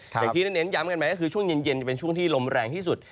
อย่างที่ได้เน้นย้ำกันไหมก็คือช่วงเย็นจะเป็นช่วงที่ลมแรงที่สุด